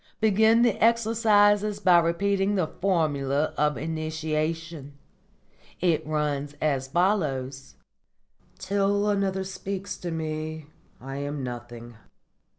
Begin the exercises by repeating the Formula of Initiation. It runs as follows: '_Till another speaks to me I am nothing.